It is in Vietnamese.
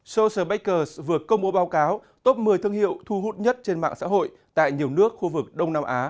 social bankers vừa công bố báo cáo top một mươi thương hiệu thu hút nhất trên mạng xã hội tại nhiều nước khu vực đông nam á